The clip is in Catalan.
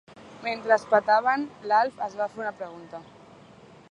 Mentre es petaven, l'Alf es va fer una pregunta.